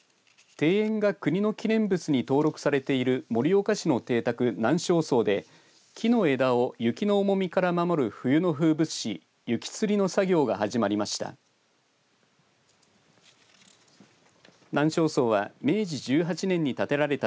庭園が国の記念物に登録されている盛岡市の邸宅、南昌荘で木の枝を雪の重みから守る冬の風物詩雪つりの作業が始まりました。